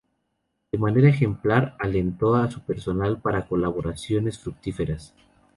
De manera ejemplar alentó a su personal para colaboraciones fructíferas.